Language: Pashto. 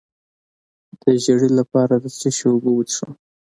د ژیړي لپاره د څه شي اوبه وڅښم؟